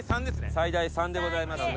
最大「３」でございますので。